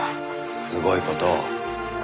すごい事を。